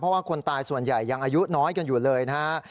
เพราะว่าคนตายส่วนใหญ่ยังอายุน้อยกันอยู่เลยนะฮะ